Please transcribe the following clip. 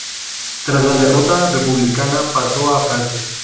Tras la derrota republicana, pasó a Francia.